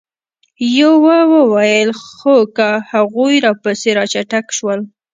يوه وويل: خو که هغوی راپسې را چټک شول؟